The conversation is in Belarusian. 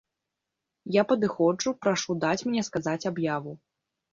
Я падыходжу, прашу даць мне сказаць аб'яву.